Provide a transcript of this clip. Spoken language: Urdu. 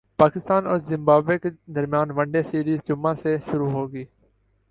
پاکستان اور زمبابوے کے درمیان ون ڈے سیریز جمعہ سے شروع ہوگی